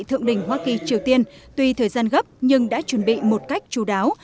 thượng đỉnh hoa kỳ triều tiên tuy thời gian gấp nhưng đã chuẩn bị một cách chú đáo